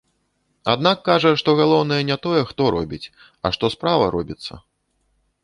Аднак кажа, што галоўнае не тое, хто робіць, а што справа робіцца.